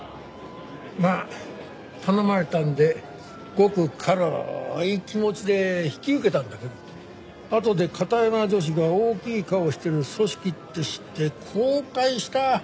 まあ頼まれたんでごく軽い気持ちで引き受けたんだけどあとで片山女史が大きい顔してる組織って知って後悔した！